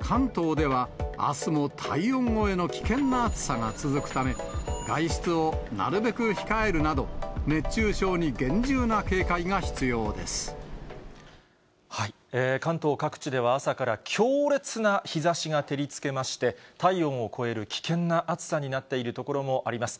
関東では、あすも体温超えの危険な暑さが続くため、外出をなるべく控えるなど、関東各地では、朝から強烈な日ざしが照りつけまして、体温を超える危険な暑さになっている所もあります。